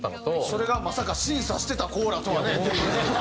それがまさか審査してた子らとはね。